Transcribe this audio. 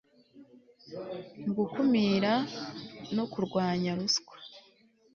mu gukumira no kurwanya ruswa